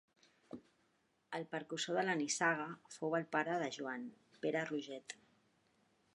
El precursor de la nissaga fou el pare de Joan, Pere Roget.